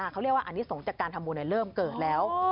เขาเรียกว่าอนิสงฆ์จากการทำบุญเริ่มเกิดแล้ว